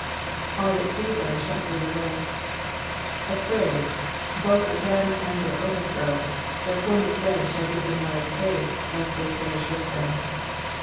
^^AU that see them shall flee away,^^ Afraid, both of them and their overthrow, their former friends shall give them wide space, lest they perish with them.